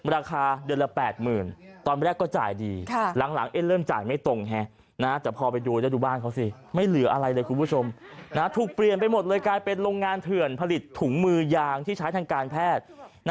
ราคาเดือนละ๘๐๐๐ตอนแรกก็จ่ายดีหลังเริ่มจ่ายไม่ตรงแต่พอไปดูแล้วดูบ้านเขาสิไม่เหลืออะไรเลยคุณผู้ชมถูกเปลี่ยนไปหมดเลยกลายเป็นโรงงานเถื่อนผลิตถุงมือยางที่ใช้ทางการแพทย์